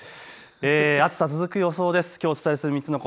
暑さ続く予想です。